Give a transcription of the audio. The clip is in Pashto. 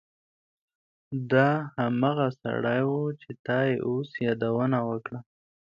دا هماغه سړی و چې تا یې اوس یادونه وکړه